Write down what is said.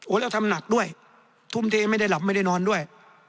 แล้วทำหนักด้วยทุ่มเทไม่ได้หลับไม่ได้นอนด้วย